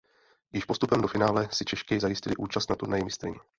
Již postupem do finále si Češky zajistily účast na Turnaji mistryň.